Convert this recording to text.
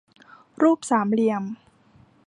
รูปสามเหลี่ยม